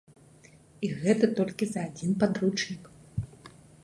І гэта толькі за адзін падручнік.